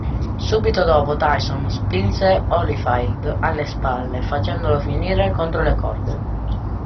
Subito dopo Tyson spinse Holyfield alle spalle, facendolo finire contro le corde.